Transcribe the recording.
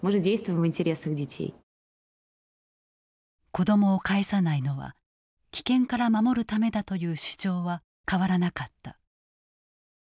子どもを帰さないのは危険から守るためだという主張は変わらなかった。